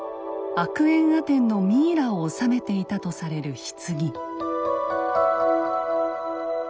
アクエンアテンのミイラをおさめていたとされる棺。